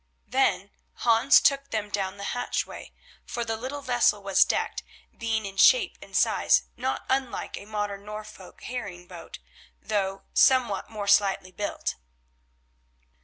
Then Hans took them down the hatchway, for the little vessel was decked, being in shape and size not unlike a modern Norfolk herring boat, though somewhat more slightly built.